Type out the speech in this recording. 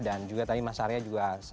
dan juga tadi mas arya